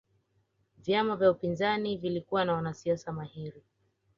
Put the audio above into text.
vyama vya upinzani vilikuwa na wanasiasa mahiri